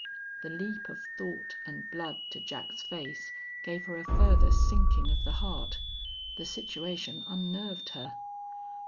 The leap of thought and blood to Jack's face gave her a further sinking of the heart. The situation unnerved her.